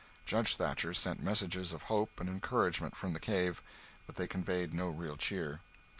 Judge Thatcher sent messages of hope and encouragement from the cave, but they conveyed no real cheer.